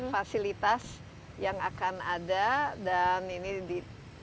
fasilitas yang akan ada dan ini di